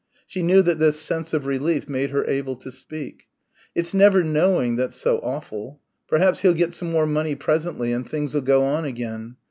She knew that this sense of relief made her able to speak. "It's never knowing that's so awful. Perhaps he'll get some more money presently and things'll go on again.